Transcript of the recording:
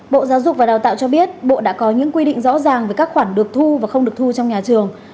bộ giáo dục và đào tạo cho biết bộ đã có những quy định rõ ràng về các khoản được thu và không được thu trong nhà trường